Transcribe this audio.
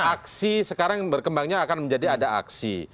aksi sekarang berkembangnya akan menjadi ada aksi